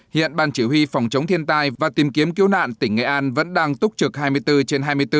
hiện ban chỉ huy phòng chống thiên tai và tìm kiếm cứu nạn tỉnh nghệ an vẫn đang túc trực hai mươi bốn trên hai mươi bốn